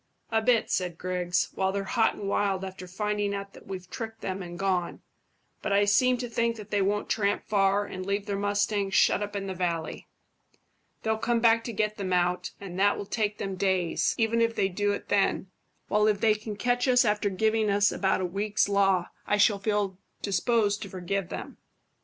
"A bit," said Griggs, "while they're hot and wild after finding out that we've tricked them and gone; but I seem to think that they won't tramp far and leave their mustangs shut up in the valley. They'll come back to get them out, and that will take them days, even if they do it then; while if they can catch us after giving us about a week's law, I shall feel disposed to forgive them."